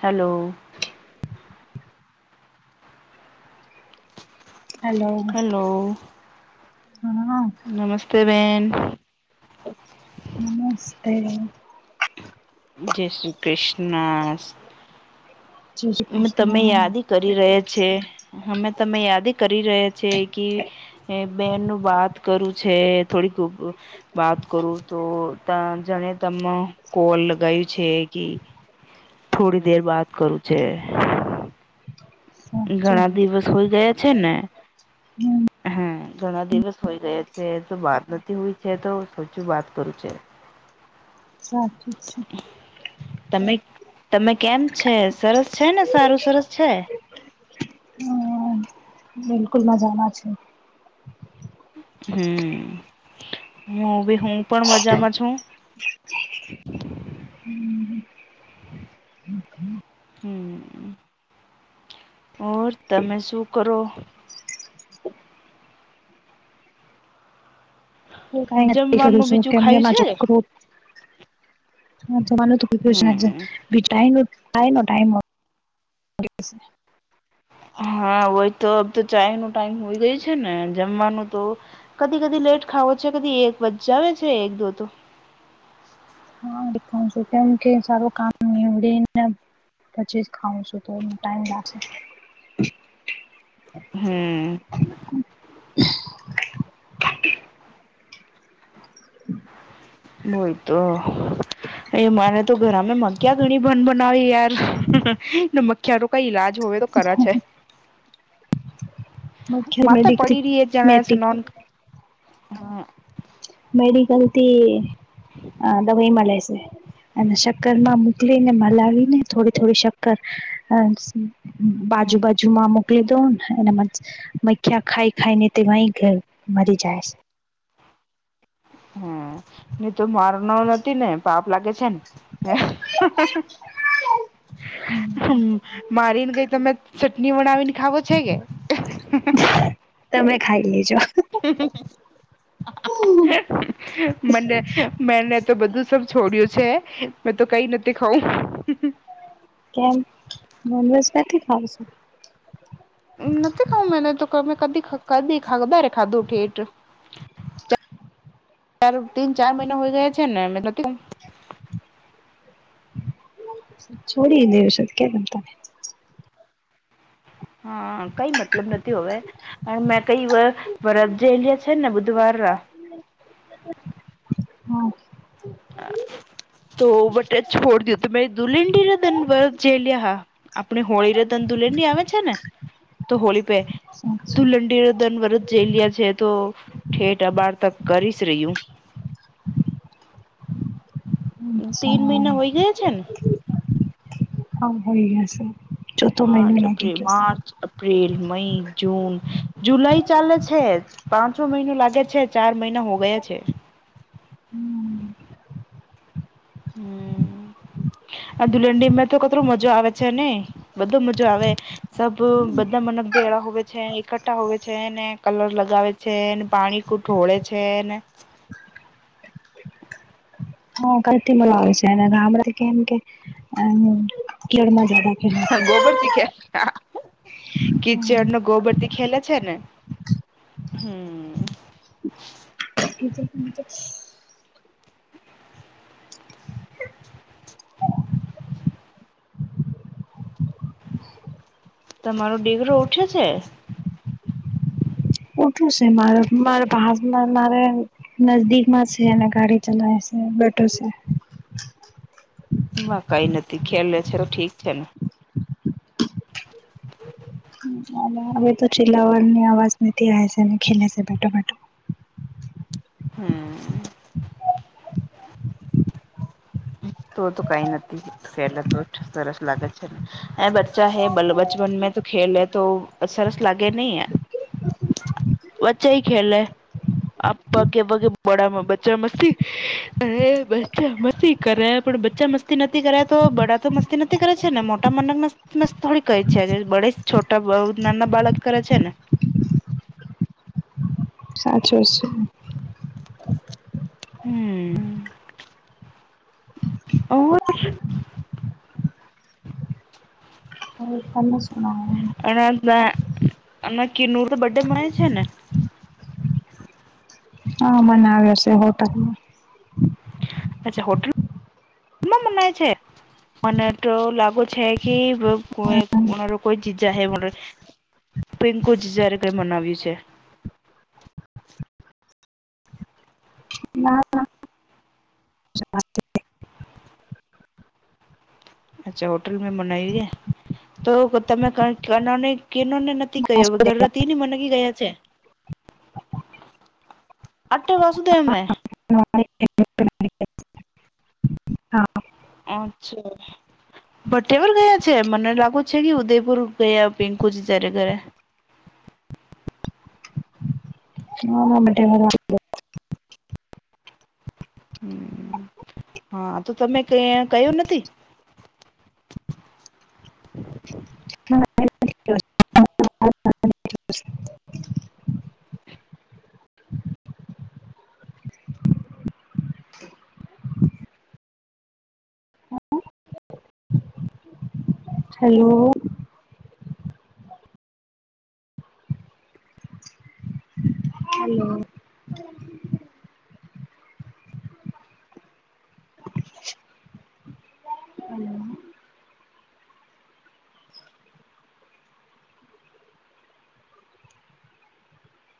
Hello. Hello. Hello હા. નમસ્તે બહેન. નમસ્તે. જય શ્રી કૃષ્ણાસ. જય શ્રી અમે તમે કૃષ્ણ યાદી કરી રહ્યા છે. અમે તમે યાદી કરી રહ્યા છે, કિ બહેન નું વાત કરું છે. થોડીક [unintelligible] વાત કરું તો તા જાણે તમ કોલ લગાયું છે, કિ થોડી દેર બાદ કરું છે. સાચું ઘણા દિવસ હોય ગયા છે ને હમ્મ. હા. ઘણા દિવસ હોય ગયા છે, તો વાત નથી હોય છે. તો સોચું વાત કરું છે. [inaudible] સાચું જ છે. તમે તમે કેમ છે સરસ છે ને સારું સરસ છે? હમ બિલકુલ મજામાં છુ. હમ્મ, હું ભી હું પણ મજામાં છું. હમ્મ. હમ્મ અ. ઓર તમે શું કરો? હું કાય ન કરી કરું જમવાનું શું બીજું ખાયું છે [unintelligible] હમ [unintelligible] [unintelligible] હા વોય તો અબ તો ચાય નો ટાઈમ હોય ગયો છે ને, જમવાનું તો કદી કદી લેટ ખાવો છે કદી એક બજ જાવે છે એક દો તો. હા હું બી ખાઈ છું કેમ કે સારું કામ. [unintelligible] પછી જ ખઉં શું તો ટાઈમ લાગશે. હમ્મ બોલ તો અ મારે તો ઘરામે મખિયા ઘણી બંન બનાવી [unintelligible] ધ મ ક્યારો કય ઈલાજ હોવે તો કરા છે મુખ્ય માંથે મેડિકલ પડી રિયે જાણે સનોક હા. મેડિકલ થી અ દવાઈ મલે સે અને શક્કર માં મોકલી ને મલાવી ને થોડી થોડી શક્કર અ બાજુ બાજુમાં મુ ક્લી દો ને એમજ મખ્યા ખાઈ ખાઈ ને તેવાય ઘર મા થી જાય સે. હમ્મ ની તો માર મારવાથી ને પાપ લાગે છે ને. મારીને કઈ તમે ચટણી બનાવીને ખાવો છે કે? તમે ખાઈ લેજો. [unintelligible] મને મેને તો બધું સબ છોડ્યું છે મેં તો કઈ નથી ખઉં. કેમ નોન વજ નથી ખાવોશો? નથી ખાં મેને તો કમે કદી કદી [unintelligible] ખાધું ઠેટ. [inaudible] [unintelligible] તીન ચાર મૈના હોય ગયા છે ને મેં નથી છોળી દિવસે. [unintelligible] હા કઈ મતલબ નથી હોવે અ મેં કઈ વર વરખ જે છે ને બુધવાર ના. હા. [unintelligible] આપણે હોળી ને તન દુલેંડી આવે છે ને તો હોળી પે સાચું ધુલંડી દન વર જેલ્યા છે તો ઠેઠ અબાડ તક કરીસ રય હું અચ્છા તીન મૈના હોય ગયા છે ને? હમ હોય ગ્યા સે ચોથો માર્ચ મૈનો એપ્રિલ લાગી ગ્યો સે. માર્ચ એપ્રિલ, મઈ, જૂન. જુલાઈ ચાલે છે પાંચમો મૈનો લાગે છે ચાર મૈના હો ગયા છે. હમ હમ્મ. આ ધુલંડીમાં તો કેટરો મજો આવે છે ને બધો મજો આવે સબ બધા મને બેેળા હોય છે એકઠા હોય છે ને કલર લગાવે છે ને પાણી કુ ઢોળે છે ને હા કતીમ હો છે [unintelligible] હા ગોબરથી ખેલે કીચડ ને ગોબરથી ખેલે છે ને હમ્મ [inaudible] તમારો દીગરો ઉઠે છે ઉઠું છે મારે મારા ભાસ મારે નજદીકમાં છે અને ગાડી ચલાવે છે બેઠો છે કઈ નથી ખેલે છે તો ઠીક છે ને [inaudible] હવે તો ચીલા વર ની અવાજ નથી આ છે ને ખેલે છે બેઠો બેઠો હમ [inaudible] તો તો કઈ નથી શેરલા તો સરસ લાગે છે ને હ બચ્ચા હૈ બ બચપન મે તો ખેલ હે તો સરસ લાગે નહી બચાએ ખેલે આ પગે પગે બોડામાં બચા મસ્તી અરે બચા મસ્તી કરે પણ બચ્ચા મસ્તી નથી કરે તો બડા તો મસ્તી નથી કરે છે ને મોટા મનક મસ કસ થોડી કઈ છેજ બળે છોટા બ નાના બાળક કરે છે ને સાચો છે હમ્મ ઓર [inaudible] તમે સુનાઓ અને અમના કિરનુર [unintelligible] હા મનાવે છે હોટલમાં અચ્છા હોટલ મનાવે છે મને તો લાગુ છે હ કે કો [unintelligible] પિંકુજ જ્યારે કંઈ મનાવ્યું છે ના [inaudible] અચ્છા હોટલ મે મનાવી હ તો [unintelligible] કયો વગર ની મનગી ગયા છે આઠ વાયા સુધી એમે [unintelligible] હા અચ્છા ભ્ટેવર ગયા છે મને લાગુ છે કે ઉદયપુર ગયા પિંકુ જ ત્યારે ઘરે [unintelligible] હમ હા તો તમે ક કયો નથી [unintelligible] હેલો હલો [inaudible] હલો